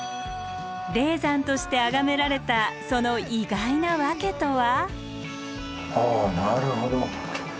霊山として崇められたその意外な訳とは？